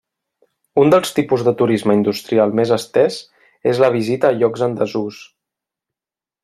Un dels tipus de turisme industrial més estès és la visita a llocs en desús.